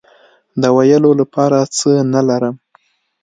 د ویلو لپاره څه نه لرم